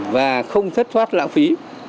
và không thất thoát lãng phí